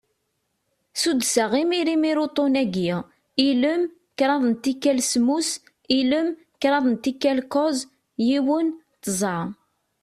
Suddseɣ imir imir uṭṭun-agi: ilem, kraḍ n tikal semmus, ilem, kraḍ n tikal kuẓ, yiwen, tẓa.